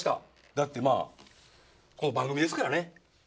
だってまあこの番組ですからね。